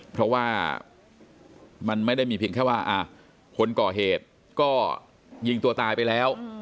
เพราะว่ามันไม่ได้มีเพียงแค่ว่าคนก่อเหตุก็ยิงตัวตายไปแล้ว